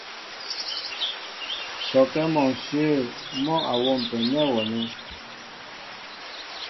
Sɔkɛ́ mɔ ǹshyə̂ mɔ́ a wômpɛ nɛ́ wɔ nɛ̂.